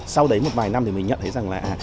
sau đấy một vài năm thì mình nhận thấy rằng là